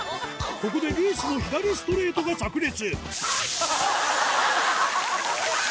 ここでルイスの左ストレートが炸裂！